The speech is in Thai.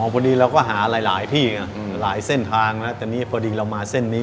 พอดีเราก็หาหลายที่หลายเส้นทางแต่พอดีเรามาเส้นนี้